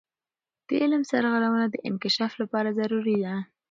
د علم سرغړونه د انکشاف لپاره ضروري ده.